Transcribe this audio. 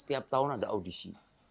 setiap tahun ada audisi